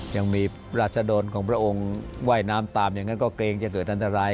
ยังมีราชดรของพระองค์ว่ายน้ำตามอย่างนั้นก็เกรงจะเกิดอันตราย